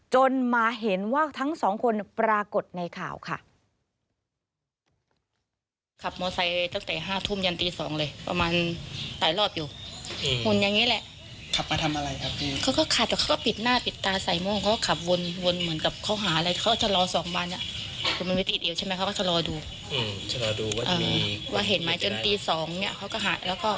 จนมาเห็นว่าทั้งสองคนปรากฏในข่าวค่ะ